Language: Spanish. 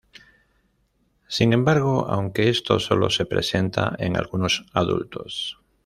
Sin embargo, aunque esto sólo se presenta en algunos adultos.